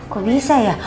kok bisa ya